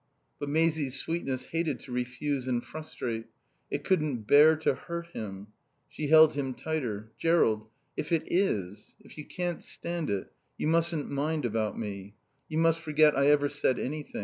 But Maisie's sweetness hated to refuse and frustrate; it couldn't bear to hurt him. She held him tighter. "Jerrold if it is if you can't stand it, you mustn't mind about me. You must forget I ever said anything.